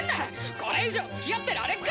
これ以上つきあってられっか。